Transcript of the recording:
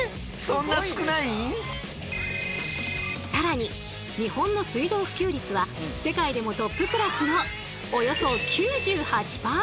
更に日本の水道普及率は世界でもトップクラスのおよそ９８％。